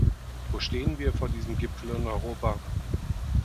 Wo stehen wir vor diesem Gipfel in Europa?